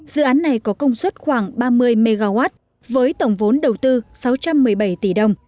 dự án này có công suất khoảng ba mươi mw với tổng vốn đầu tư sáu trăm một mươi bảy tỷ đồng